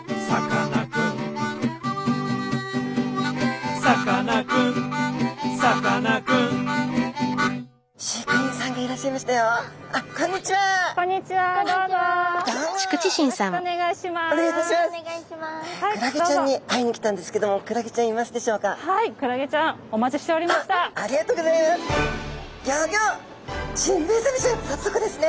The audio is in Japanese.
さっそくですね。